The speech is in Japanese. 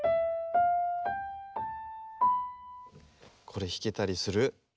これひけたりする？